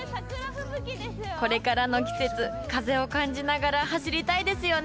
これからの季節風を感じながら走りたいですよね